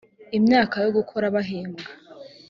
imyaka yo gukora bahembwa